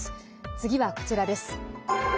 次は、こちらです。